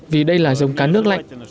vì đây là dòng cá nước lạnh